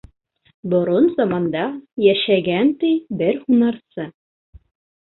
Борон заманда йәшәгән, ти, бер һунарсы.